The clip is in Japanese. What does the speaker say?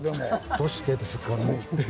どうしてですかね。